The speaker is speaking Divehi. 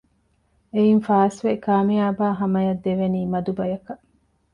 އެއިން ފާސްވެ ކާމިޔާބާ ހަމައަށް ދެވެނީ މަދުބަޔަކަށް